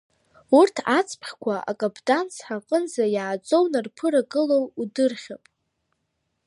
Урҭ ацԥхьқәа, акаԥдан цҳа аҟнынӡа иааӡо унарԥырагылар, удырхып!